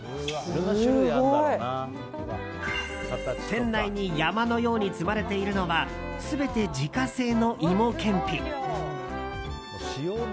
店内に山のように積まれているのは全て自家製の芋けんぴ。